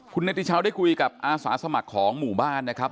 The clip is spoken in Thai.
คุณเนติชาวได้คุยกับอาสาสมัครของหมู่บ้านนะครับ